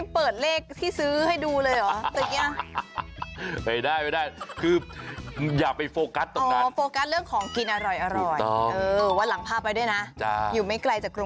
โปรดติดตามตอนต่อไป